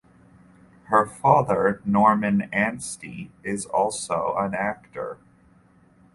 Her father Norman Anstey is also an actor.